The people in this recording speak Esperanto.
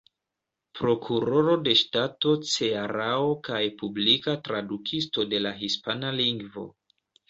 Prokuroro de Ŝtato Cearao kaj publika tradukisto de la hispana lingvo.